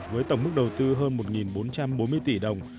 với tổng mức đầu tư hơn một bốn trăm bốn mươi tỷ đồng